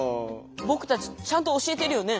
ぼくたちちゃんと教えてるよね。